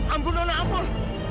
ampun anak anak ampun